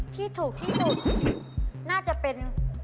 ที่ถูกที่สุดน่าจะเป็น